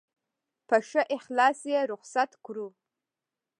په ښه اخلاص یې رخصت کړو.